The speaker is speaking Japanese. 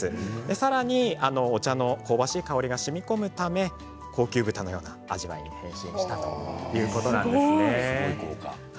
さらにお茶の香ばしい香りがしみこむため高級豚のような味わいに変身したということなんですね。